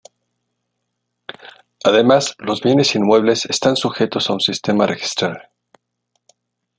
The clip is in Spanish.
Además, los bienes inmuebles están sujetos a un sistema registral.